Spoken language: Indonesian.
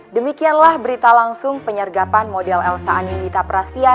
demikianlah berita langsung penyergapan model elsa anilita prastia